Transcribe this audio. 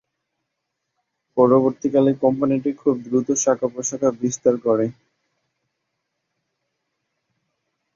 পরবর্তীকালে কোম্পানিটি খুব দ্রুত শাখা প্রশাখা বিস্তার করে।